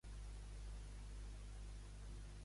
Quina acció ha fet Oliver?